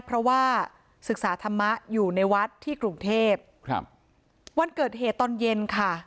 เพราะว่าศึกษาธรรมะอยู่ในวัดที่กรุงเทพครับวันเกิดเหตุตอนเย็นค่ะ